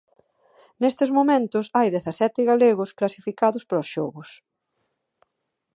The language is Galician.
Nestes momentos hai dezasete galegos clasificados para os xogos.